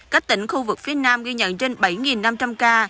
các tỉnh khu vực phía nam ghi nhận trên bảy năm trăm linh ca